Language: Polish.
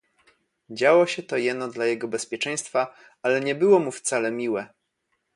"Działo się to jeno dla jego bezpieczeństwa, ale nie było mu wcale miłe."